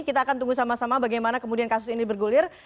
kita akan tunggu sama sama bagaimana kemudian kasus ini bergulir